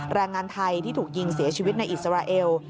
แรงงานไทยที่ถูกยิงเสียชีวิตในอิสราเอล